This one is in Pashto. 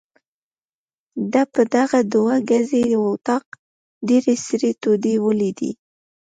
ده په دغه دوه ګزي وطاق ډېرې سړې تودې ولیدې.